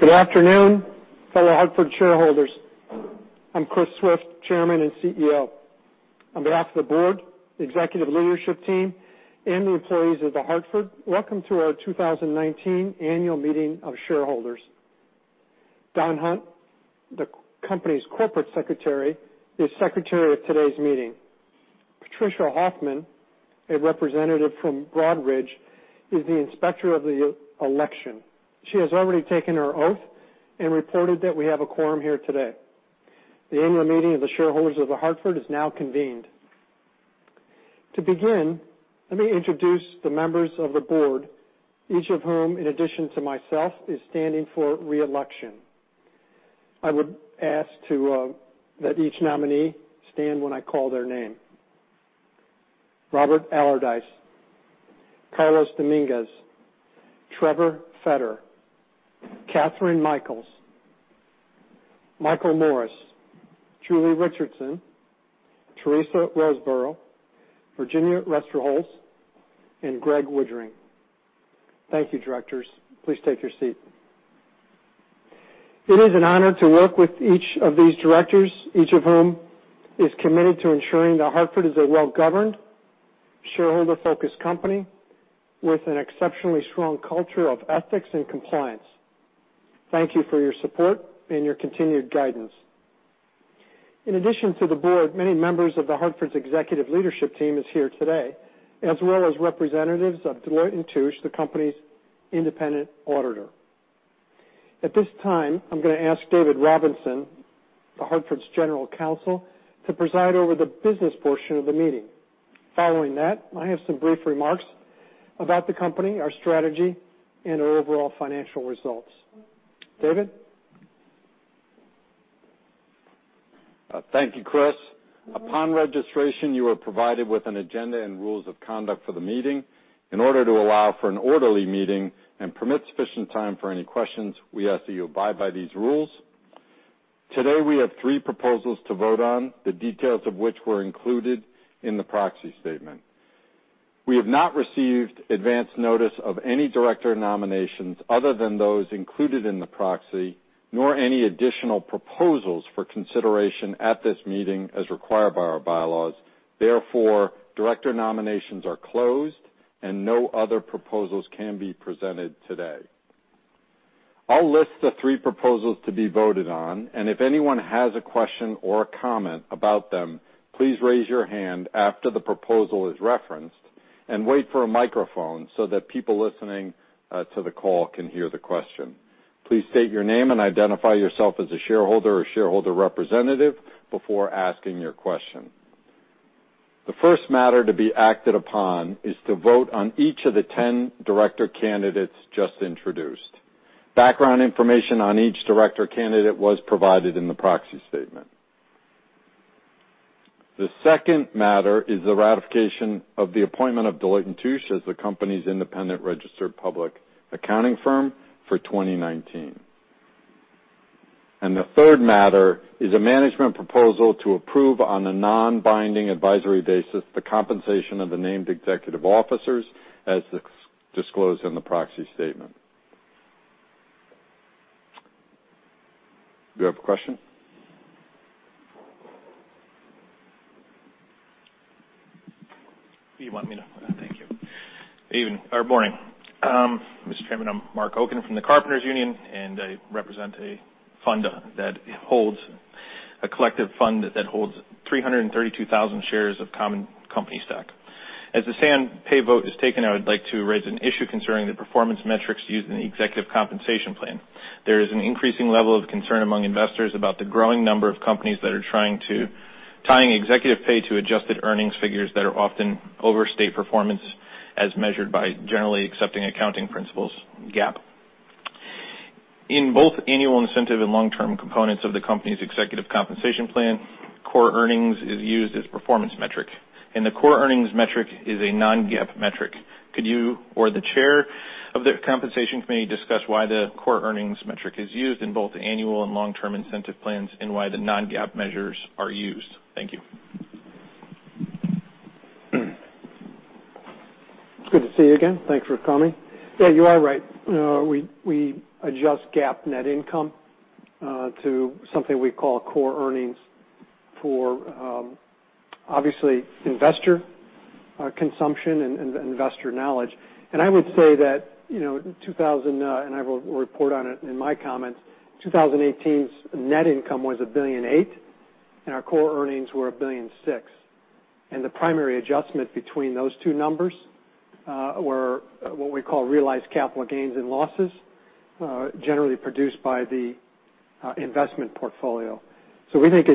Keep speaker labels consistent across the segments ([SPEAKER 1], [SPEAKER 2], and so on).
[SPEAKER 1] Good afternoon, fellow Hartford shareholders. I'm Chris Swift, Chairman and CEO. On behalf of the board, the executive leadership team, and the employees of The Hartford, welcome to our 2019 annual meeting of shareholders. Don Hunt, the company's Corporate Secretary, is Secretary of today's meeting. Patricia Hoffman, a representative from Broadridge, is the Inspector of the election. She has already taken her oath and reported that we have a quorum here today. The annual meeting of the shareholders of The Hartford is now convened. To begin, let me introduce the members of the board, each of whom, in addition to myself, is standing for re-election. I would ask that each nominee stand when I call their name. Robert Allardice, Carlos Dominguez, Trevor Fetter, Kathryn Mikells, Michael Morris, Julie Richardson, Teresa Roseborough, Virginia Restrepo, and Greig Woodring. Thank you, directors. Please take your seat. It is an honor to work with each of these directors, each of whom is committed to ensuring The Hartford is a well-governed, shareholder-focused company with an exceptionally strong culture of ethics and compliance. Thank you for your support and your continued guidance. In addition to the board, many members of The Hartford's executive leadership team is here today, as well as representatives of Deloitte & Touche, the company's independent auditor. At this time, I'm going to ask David Robinson, The Hartford's General Counsel, to preside over the business portion of the meeting. Following that, I have some brief remarks about the company, our strategy, and our overall financial results. David?
[SPEAKER 2] Thank you, Chris. Upon registration, you were provided with an agenda and rules of conduct for the meeting. In order to allow for an orderly meeting and permit sufficient time for any questions, we ask that you abide by these rules. Today, we have three proposals to vote on, the details of which were included in the proxy statement. We have not received advance notice of any director nominations other than those included in the proxy, nor any additional proposals for consideration at this meeting as required by our bylaws. Therefore, director nominations are closed and no other proposals can be presented today. I'll list the three proposals to be voted on, if anyone has a question or a comment about them, please raise your hand after the proposal is referenced and wait for a microphone so that people listening to the call can hear the question. Please state your name and identify yourself as a shareholder or shareholder representative before asking your question. The first matter to be acted upon is to vote on each of the 10 director candidates just introduced. Background information on each director candidate was provided in the proxy statement. The second matter is the ratification of the appointment of Deloitte & Touche as the company's independent registered public accounting firm for 2019. The third matter is a management proposal to approve on a non-binding advisory basis the compensation of the named executive officers as disclosed in the proxy statement. Do you have a question?
[SPEAKER 3] Thank you. Evening or morning. Mr. Chairman, I'm Marc Okun from the Carpenters Union, and I represent a collective fund that holds 332,000 shares of common company stock. As the say-on-pay vote is taken, I would like to raise an issue concerning the performance metrics used in the executive compensation plan. There is an increasing level of concern among investors about the growing number of companies that are tying executive pay to adjusted earnings figures that often overstate performance as measured by Generally Accepted Accounting Principles, GAAP. In both annual incentive and long-term components of the company's executive compensation plan, core earnings is used as performance metric, and the core earnings metric is a non-GAAP metric. Could you or the chair of the compensation committee discuss why the core earnings metric is used in both annual and long-term incentive plans, and why the non-GAAP measures are used? Thank you.
[SPEAKER 1] It's good to see you again. Thanks for coming. Yeah, you are right. We adjust GAAP net income to something we call core earnings for, obviously, investor consumption and investor knowledge. I would say that, and I will report on it in my comments, 2018's net income was $1.8 billion, and our core earnings were $1.6 billion. The primary adjustment between those two numbers were what we call realized capital gains and losses, generally produced by the investment portfolio. We think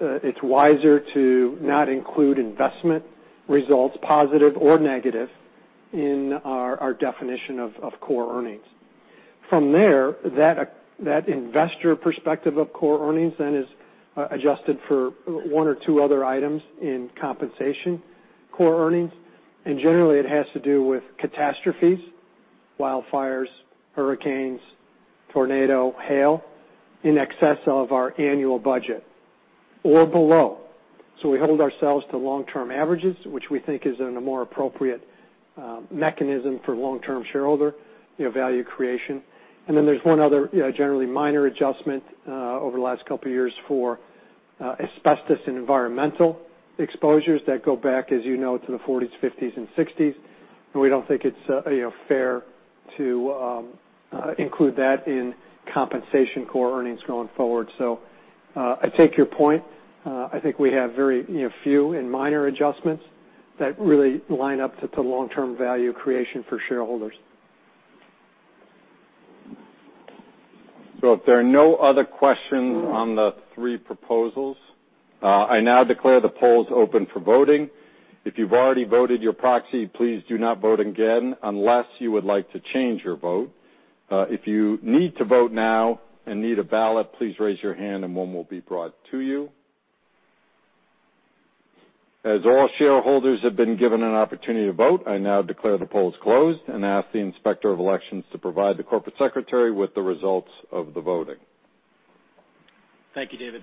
[SPEAKER 1] it's wiser to not include investment results, positive or negative, in our definition of core earnings. From there, that investor perspective of core earnings then is adjusted for one or two other items in compensation core earnings, and generally, it has to do with catastrophes, wildfires, hurricanes, tornado, hail in excess of our annual budget or below. We hold ourselves to long-term averages, which we think is in a more appropriate mechanism for long-term shareholder value creation. Then there's one other generally minor adjustment over the last couple of years for asbestos and environmental exposures that go back, as you know, to the '40s, '50s and '60s, and we don't think it's fair to include that in compensation core earnings going forward. I take your point. I think we have very few and minor adjustments that really line up to long-term value creation for shareholders.
[SPEAKER 2] If there are no other questions on the three proposals, I now declare the polls open for voting. If you've already voted your proxy, please do not vote again unless you would like to change your vote. If you need to vote now and need a ballot, please raise your hand and one will be brought to you. As all shareholders have been given an opportunity to vote, I now declare the polls closed and ask the Inspector of Election to provide the Corporate Secretary with the results of the voting.
[SPEAKER 4] Thank you, David.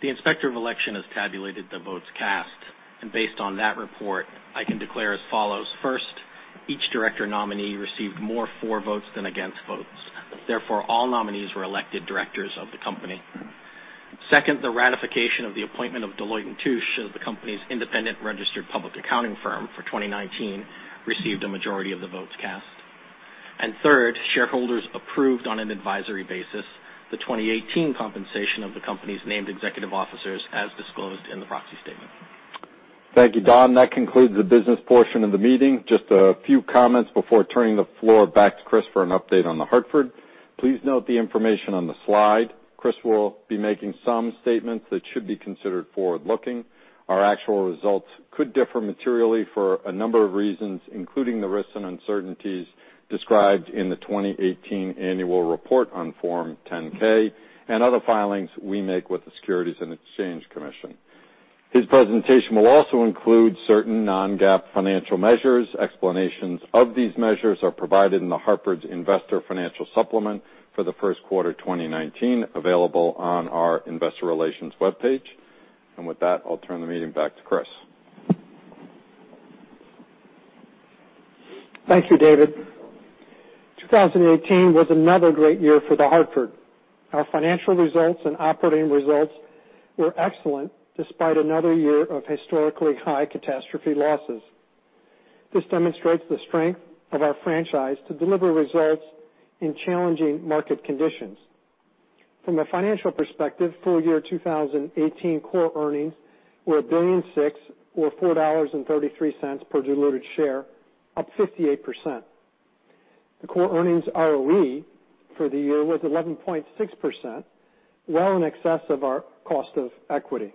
[SPEAKER 4] The Inspector of Election has tabulated the votes cast, and based on that report, I can declare as follows. First, each director nominee received more for votes than against votes. Therefore, all nominees were elected directors of the company. Second, the ratification of the appointment of Deloitte & Touche as the company's independent registered public accounting firm for 2019 received a majority of the votes cast. Third, shareholders approved on an advisory basis the 2018 compensation of the company's named executive officers as disclosed in the proxy statement.
[SPEAKER 2] Thank you, Don. That concludes the business portion of the meeting. Just a few comments before turning the floor back to Chris for an update on The Hartford. Please note the information on the slide. Chris will be making some statements that should be considered forward-looking. Our actual results could differ materially for a number of reasons, including the risks and uncertainties described in the 2018 annual report on Form 10-K and other filings we make with the Securities and Exchange Commission. His presentation will also include certain non-GAAP financial measures. Explanations of these measures are provided in The Hartford's investor financial supplement for the first quarter 2019, available on our investor relations webpage. With that, I'll turn the meeting back to Chris.
[SPEAKER 1] Thank you, David. 2018 was another great year for The Hartford. Our financial results and operating results were excellent despite another year of historically high catastrophe losses. This demonstrates the strength of our franchise to deliver results in challenging market conditions. From a financial perspective, full year 2018 core earnings were $1.6 billion, or $4.33 per diluted share, up 58%. The core earnings ROE for the year was 11.6%, well in excess of our cost of equity.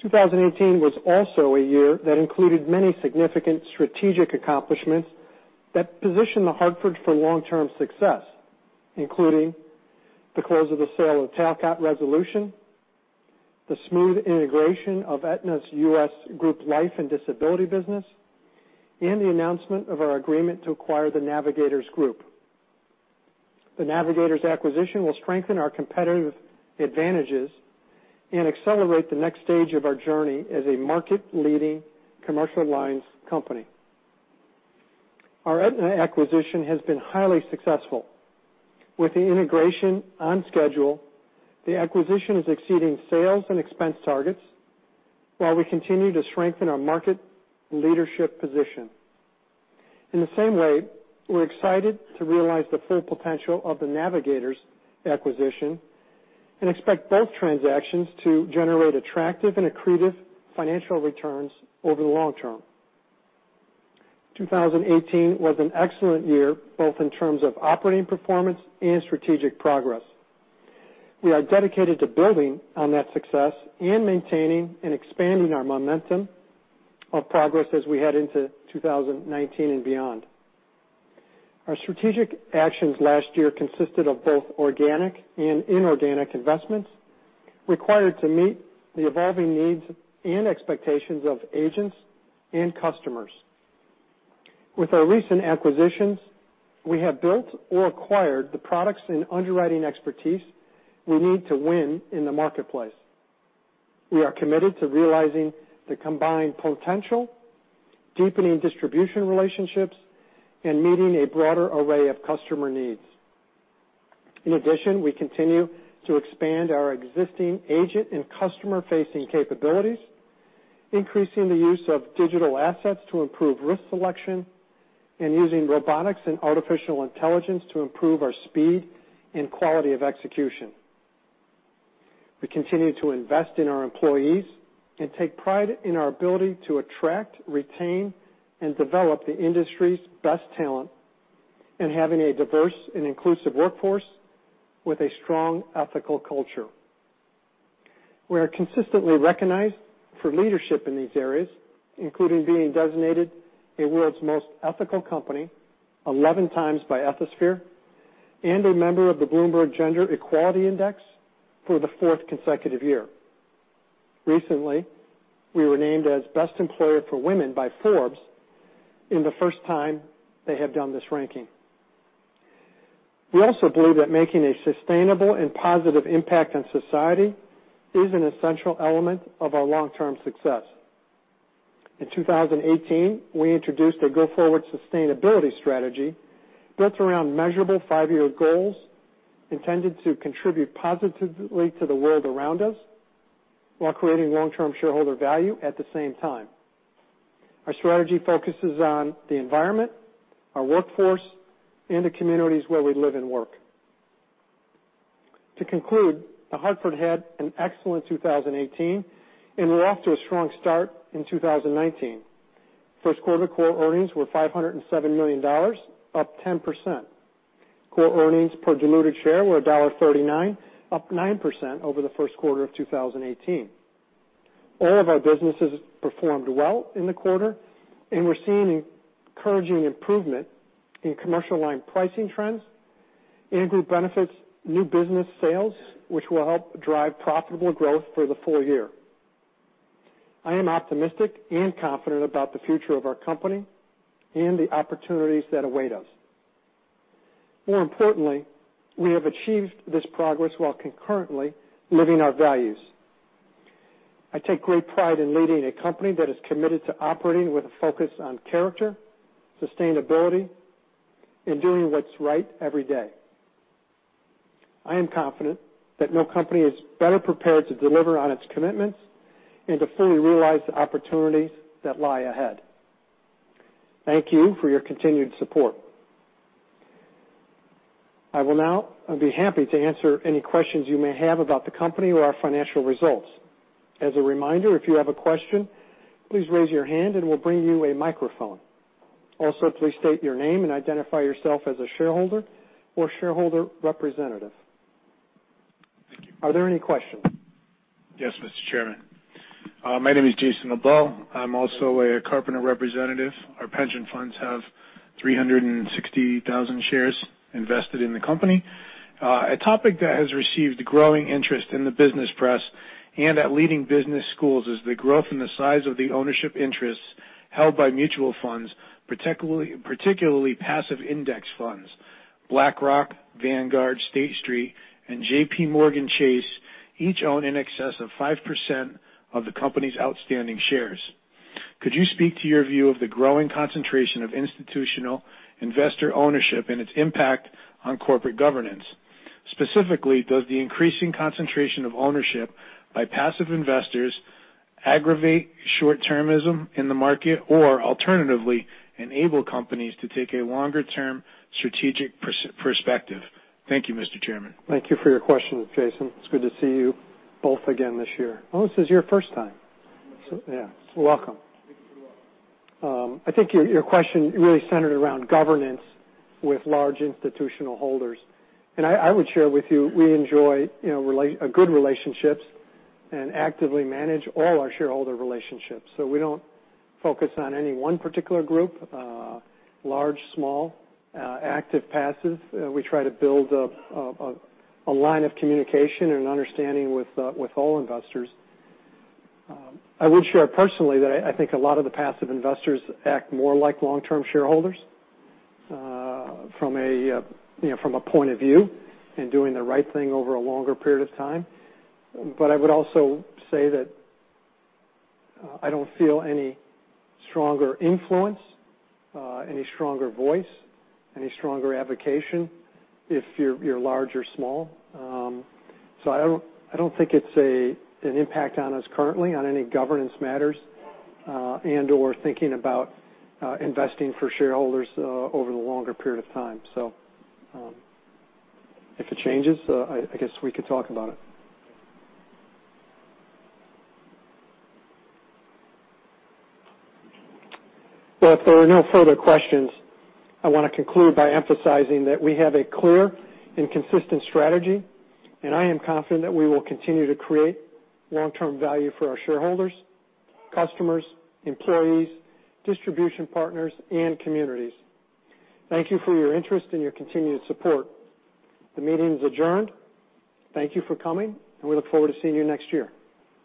[SPEAKER 1] 2018 was also a year that included many significant strategic accomplishments that position The Hartford for long-term success, including the close of the sale of Talcott Resolution, the smooth integration of Aetna's U.S. Group Life and Disability business, and the announcement of our agreement to acquire the Navigators Group. The Navigators acquisition will strengthen our competitive advantages and accelerate the next stage of our journey as a market-leading commercial lines company. Our Aetna acquisition has been highly successful. With the integration on schedule, the acquisition is exceeding sales and expense targets while we continue to strengthen our market leadership position. In the same way, we're excited to realize the full potential of the Navigators acquisition and expect both transactions to generate attractive and accretive financial returns over the long term. 2018 was an excellent year, both in terms of operating performance and strategic progress. We are dedicated to building on that success and maintaining and expanding our momentum of progress as we head into 2019 and beyond. Our strategic actions last year consisted of both organic and inorganic investments required to meet the evolving needs and expectations of agents and customers. With our recent acquisitions, we have built or acquired the products and underwriting expertise we need to win in the marketplace. We are committed to realizing the combined potential, deepening distribution relationships, and meeting a broader array of customer needs. In addition, we continue to expand our existing agent and customer-facing capabilities, increasing the use of digital assets to improve risk selection, and using robotics and artificial intelligence to improve our speed and quality of execution. We continue to invest in our employees and take pride in our ability to attract, retain, and develop the industry's best talent and having a diverse and inclusive workforce with a strong ethical culture. We are consistently recognized for leadership in these areas, including being designated the world's most ethical company 11 times by Ethisphere and a member of the Bloomberg Gender-Equality Index for the fourth consecutive year. Recently, we were named as Best Employer for Women by Forbes in the first time they have done this ranking. We also believe that making a sustainable and positive impact on society is an essential element of our long-term success. In 2018, we introduced our Go Forward sustainability strategy built around measurable five-year goals intended to contribute positively to the world around us while creating long-term shareholder value at the same time. Our strategy focuses on the environment, our workforce, and the communities where we live and work. To conclude, The Hartford had an excellent 2018, and we're off to a strong start in 2019. First quarter core earnings were $507 million, up 10%. Core earnings per diluted share were $1.39, up 9% over the first quarter of 2018. All of our businesses performed well in the quarter, and we're seeing encouraging improvement in Commercial Lines pricing trends and Group Benefits new business sales, which will help drive profitable growth for the full year. I am optimistic and confident about the future of our company and the opportunities that await us. More importantly, we have achieved this progress while concurrently living our values. I take great pride in leading a company that is committed to operating with a focus on character, sustainability, and doing what's right every day. I am confident that no company is better prepared to deliver on its commitments and to fully realize the opportunities that lie ahead. Thank you for your continued support. I will now be happy to answer any questions you may have about the company or our financial results. As a reminder, if you have a question, please raise your hand, and we'll bring you a microphone. Also, please state your name and identify yourself as a shareholder or shareholder representative.
[SPEAKER 5] Thank you.
[SPEAKER 1] Are there any questions?
[SPEAKER 5] Yes, Mr. Chairman. My name is Jason Lebel. I'm also a Carpenter representative. Our pension funds have 360,000 shares invested in the company. A topic that has received growing interest in the business press and at leading business schools is the growth in the size of the ownership interests held by mutual funds, particularly passive index funds. BlackRock, Vanguard, State Street, and JPMorgan Chase each own in excess of 5% of the company's outstanding shares. Could you speak to your view of the growing concentration of institutional investor ownership and its impact on corporate governance? Specifically, does the increasing concentration of ownership by passive investors aggravate short-termism in the market or alternatively enable companies to take a longer-term strategic perspective? Thank you, Mr. Chairman.
[SPEAKER 1] Thank you for your question, Jason. It's good to see you both again this year. Oh, this is your first time.
[SPEAKER 5] Yes.
[SPEAKER 1] Yeah. Welcome.
[SPEAKER 5] Thank you for the welcome.
[SPEAKER 1] I think your question really centered around governance with large institutional holders. I would share with you, we enjoy good relationships and actively manage all our shareholder relationships. We don't focus on any one particular group, large, small, active, passive. We try to build a line of communication and understanding with all investors. I would share personally that I think a lot of the passive investors act more like long-term shareholders from a point of view in doing the right thing over a longer period of time. I would also say that I don't feel any stronger influence, any stronger voice, any stronger advocation if you're large or small. I don't think it's an impact on us currently on any governance matters and/or thinking about investing for shareholders over the longer period of time. If it changes, I guess we could talk about it. Well, if there are no further questions, I want to conclude by emphasizing that we have a clear and consistent strategy, I am confident that we will continue to create long-term value for our shareholders, customers, employees, distribution partners, and communities. Thank you for your interest and your continued support. The meeting is adjourned. Thank you for coming, and we look forward to seeing you next year.